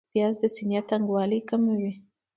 پیاز د سینې تنګوالی کموي